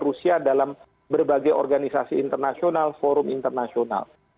rusia dalam berbagai organisasi internasional forum internasional